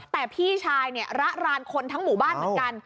แต่พี่ชายเนี่ยระรานคนทั้งหมู่บ้านเหมือนกัน